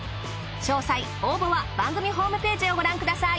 詳細応募は番組ホームページをご覧ください。